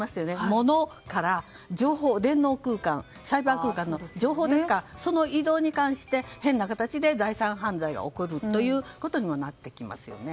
物から情報、電脳空間サイバー空間の情報ですからその移動に関して変な形で財産犯罪が起こるということにもなってきますよね。